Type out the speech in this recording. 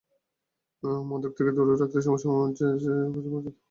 মাদক থেকে দূরে রাখতে যুবসমাজের কাছে পৌঁছাতে হবে খেলাধুলার সরঞ্জাম, বই।